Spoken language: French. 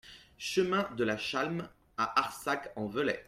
Chemin de la Chalm à Arsac-en-Velay